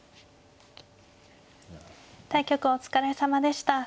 対局お疲れさまでした。